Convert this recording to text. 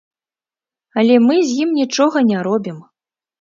Але мы з ім нічога не робім.